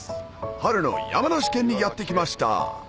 春の山梨県にやって来ました